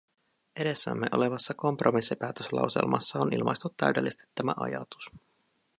Edessämme olevassa kompromissipäätöslauselmassa on ilmaistu täydellisesti tämä ajatus.